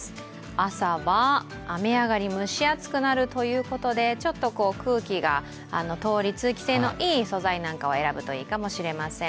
朝は雨上がり蒸し暑くなるということで空気が通り、通気性のいい素材のものを選ぶといいかもしれません。